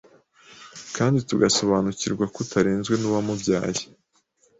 Kandi tugasobanukirwa ko utarezwe n’uwamubyaye